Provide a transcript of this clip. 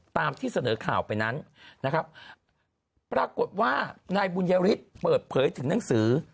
ตามที่เสนอข่าวไปนั้นนะครับปรากฏว่านายบุญยฤทธิ์เปิดเผยถึงหนังสือ